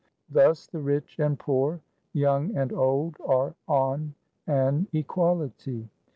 3 Thus the rich and poor, young and old, are on an equality.